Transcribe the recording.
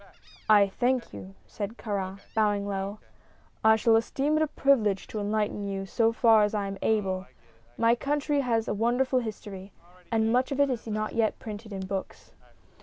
"I thank you," said Kāra, bowing low; "I shall esteem it a privilege to enlighten you so far as I am able. My country has a wonderful history, and much of it is not yet printed in books."